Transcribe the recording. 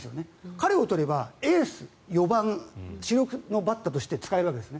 彼を取れば、エース、４番主力のバッターとして使えるわけです。